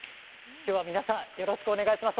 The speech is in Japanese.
きょうは皆さんよろしくお願いします。